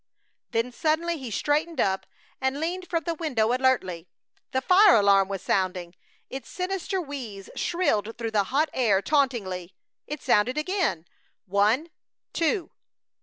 Then suddenly he straightened up and leaned from the window alertly! The fire alarm was sounding. Its sinister wheeze shrilled through the hot air tauntingly! It sounded again. One! two!